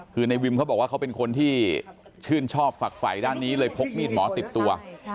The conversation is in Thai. คือในวิมเขาบอกว่าเขาเป็นคนที่ชื่นชอบฝักฝ่ายด้านนี้เลยพกมีดหมอติดตัว